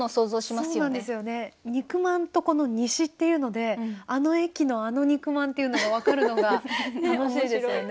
そうなんですよね「肉まん」とこの「西」っていうのであの駅のあの肉まんっていうのが分かるのが楽しいですよね。